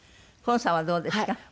今さんはどうですか？